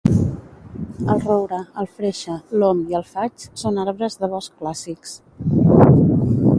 El roure, el freixe, l'om i el faig són arbres de bosc clàssics.